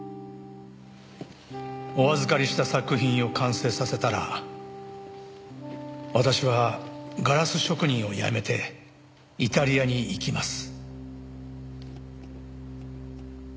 「お預かりした作品を完成させたら私はガラス職人をやめてイタリアに行きます」